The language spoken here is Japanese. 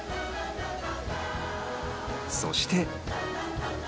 そして